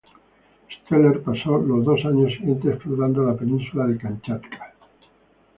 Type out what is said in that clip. Steller pasó los dos años siguientes explorando la península de Kamchatka.